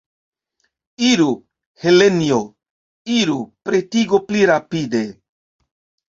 Iru, Helenjo, iru, pretigu pli rapide.